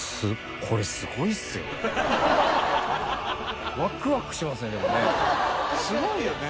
すごいよね。